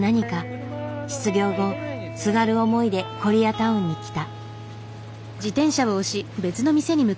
失業後すがる思いでコリアタウンに来た。